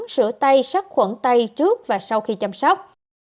rửa tay sát khuẩn tay trước và sau khi chăm sóc